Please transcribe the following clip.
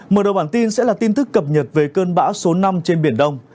mở đầu bản tin sẽ là tin tức cập nhật về cơn bão số năm trên biển đông